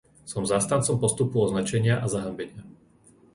Som zástancom postupu označenia a zahanbenia.